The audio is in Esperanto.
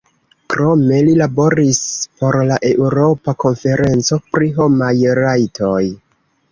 Krome li laboris por la Eŭropa Konferenco pri homaj rajtoj.